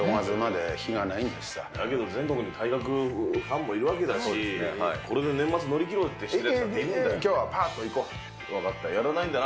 だけど全国に体格ファンもいるわけだし、これで年末乗り切ろうとしてるやつだっているんだよ。